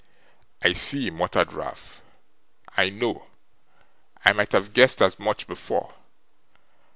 'I see,' muttered Ralph, 'I know! I might have guessed as much before.